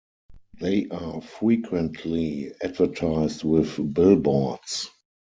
They are frequently advertised with billboards.